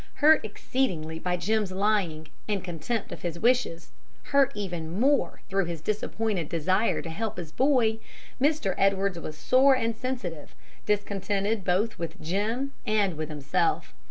Hurt exceedingly by Jim's lying and contempt of his wishes, hurt even more through his disappointed desire to help his boy, Mr. Edwards was sore and sensitive, discontented both with Jim and with himself.